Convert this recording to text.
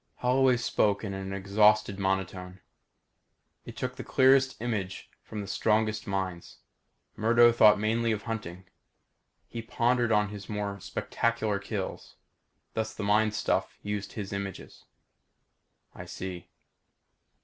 Holloway spoke in an exhausted monotone. "It took the clearest image from the strongest minds. Murdo thought mainly of hunting. He pondered on his more spectacular kills. Thus the mind stuff used his images." "I see."